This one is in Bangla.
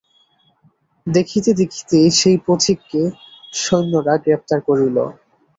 দেখিতে দেখিতে সেই পথিককে সৈন্যেরা গ্রেপ্তার করিল।